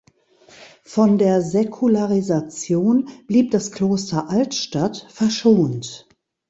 Von der Säkularisation blieb das Kloster Altstadt verschont.